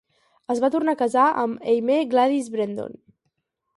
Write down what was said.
Es va tornar a casar amb Aimée Gladys Brendon.